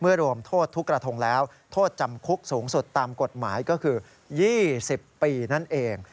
เมื่อรวมโทษทุกกระทงและโถตจำคุกสูงสุดก็คือ๒๐ปีนั่นเอง